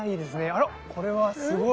あらこれはすごい。